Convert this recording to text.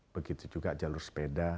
begitu juga jalur sepeda